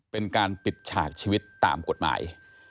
เป็นการปิดฉากชีวิตตามกฎหมาย